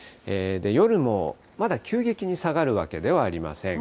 夜もまだ急激に下がるわけではありません。